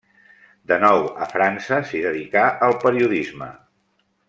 De nou a França s'hi dedicà al periodisme.